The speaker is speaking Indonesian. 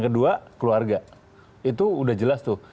kedua keluarga itu udah jelas tuh